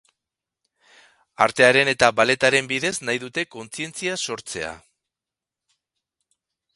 Artearen eta balletaren bidez nahi dute kontzientzia sortzea.